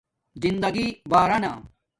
زندگݵ بارانا